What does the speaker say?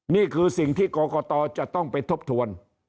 นี่คือสิ่งที่กรกตจะต้องไปทบทวน